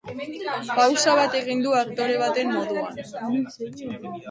Pausa bat egin du aktore baten moduan.